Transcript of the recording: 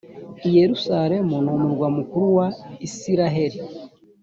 i yerusalemu numurwa mukuru wa isiraheli.